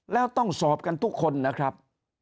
แล้วต้องสอบกันทุกคนนะครับ